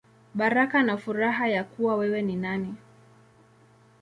Baraka na Furaha Ya Kuwa Wewe Ni Nani.